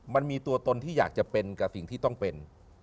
มันมีตัวตนที่อยากจะเป็นกับสิ่งที่ต้องเป็น